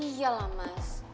iya lah mas